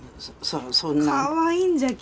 かわいいんじゃけ！